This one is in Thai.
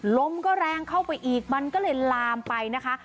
ลมก็แรงเข้าไปอีกมันก็เลยลามไปนะคะ